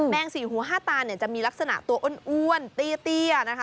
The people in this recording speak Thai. แมงสี่หูห้าตาจะมีลักษณะตัวอ้วนตี้นะคะ